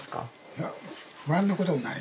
いや不安なことはない。